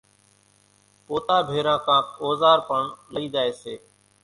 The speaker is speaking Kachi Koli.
پوتا ڀيران ڪانڪ اوزار پڻ لئي زائي سي